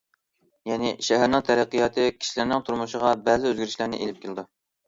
يەنى شەھەرنىڭ تەرەققىياتى كىشىلەرنىڭ تۇرمۇشىغا بەزى ئۆزگىرىشلەرنى ئېلىپ كېلىدۇ.